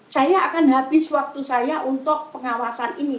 saya akan habis waktu saya untuk pengawasan ini